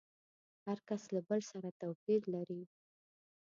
هر کس له بل سره توپير لري.